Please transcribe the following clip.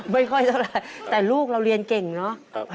ไม่ค่อยสลายแต่ลูกเราเรียนเก่งนะ